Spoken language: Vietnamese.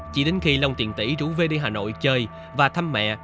chỉ đến khi long tiện tỷ rủ bê đi hà nội chơi và thăm mẹ